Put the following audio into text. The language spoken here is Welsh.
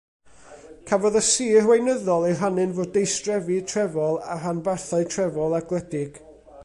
Cafodd y sir weinyddol ei rhannu'n fwrdeistrefi trefol a rhanbarthau trefol a gwledig.